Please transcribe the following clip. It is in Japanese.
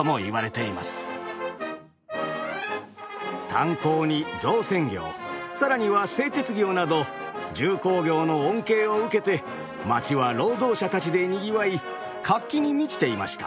炭鉱に造船業さらには製鉄業など重工業の恩恵を受けて街は労働者たちでにぎわい活気に満ちていました。